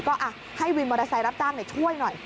ก็ให้วินมอเตอร์ไซค์รับจ้างช่วยหน่อย